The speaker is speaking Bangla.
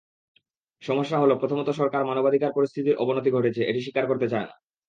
সমস্যাহলো, প্রথমত সরকার মানবাধিকার পরিস্থিতির অবনতি ঘটেছে—এটি স্বীকার করতে চায় না।